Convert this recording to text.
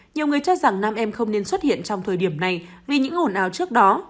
nhiều người cho rằng nam em không nên xuất hiện trong thời điểm này vì những ồn ào trước đó